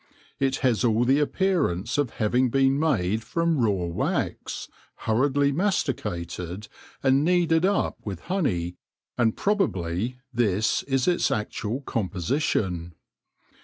It has all the appearance of having been made from raw wax, hurriedly masticated and kneaded up with honey, and probably this is its actual composition.